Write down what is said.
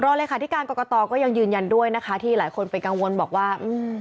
รอเลยค่ะที่การกรกตก็ยังยืนยันด้วยนะคะที่หลายคนไปกังวลบอกว่า